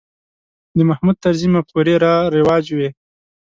د محمود طرزي مفکورې رواج وې.